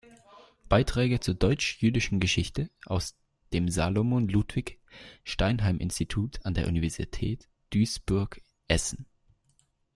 Beiträge zur deutsch-jüdischen Geschichte aus dem Salomon Ludwig Steinheim-Institut an der Universität Duisburg-Essen".